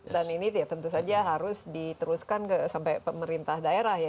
dan ini tentu saja harus diteruskan sampai pemerintah daerah ya